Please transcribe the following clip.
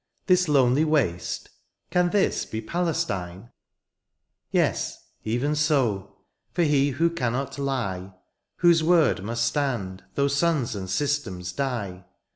This lonely waste, — can this be Palestine ? Yes even so — for he who cannot lie. Whose wordmuststandthough suns and systems die.